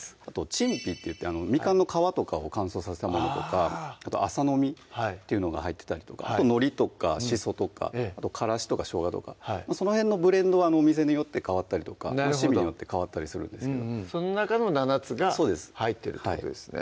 陳皮っていってみかんの皮とかを乾燥させたものとか麻の実っていうのが入ってたりとかあとのりとかしそとかからしとかしょうがとかその辺のブレンドはお店によって変わったりとか趣味によって変わったりするんですけどその中の７つが入ってるってことですね